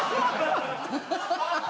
ハハハハ！